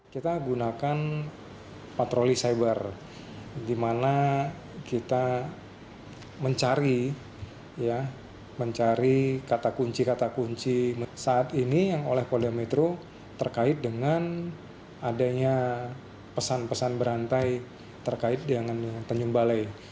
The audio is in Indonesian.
kita gunakan patroli cyber di mana kita mencari kata kunci kata kunci saat ini yang oleh polda metro terkait dengan adanya pesan pesan berantai terkait dengan tanjung balai